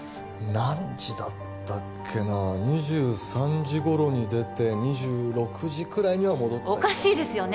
何時だったっけな２３時頃に出て２６時くらいには戻ったおかしいですよね